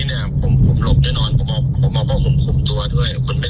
กลับเลยพรุ่งนี้บ่าย๓ทีละทีนั้นที่๑๐กิจกริจ